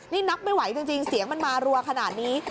นี่นับไม่ไหวจริงเสียงมันมารัวขนาดนี้